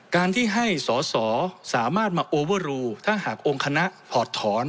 การที่ให้สอสอสามารถมาโอเวอร์รูถ้าหากองค์คณะถอดถอน